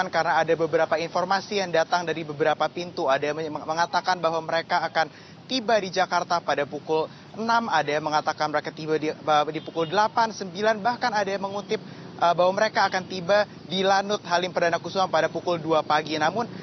kepastian kapan kemarin